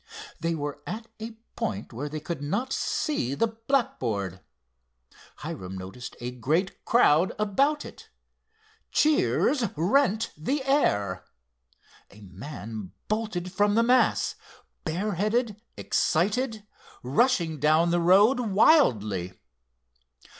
They were at a point where they could not see the blackboard. Hiram noticed a great crowd about it. Cheers rent the air. A man bolted from the mass, bareheaded, excited, rushing down the road wildly.